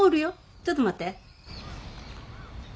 ちょっと待って。